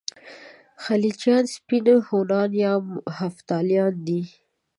خلجیان سپین هونان یا هفتالیان دي.